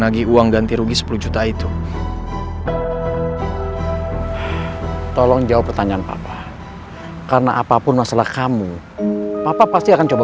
gigi kenapa sih